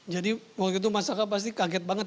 jadi waktu itu mas saka pasti kaget banget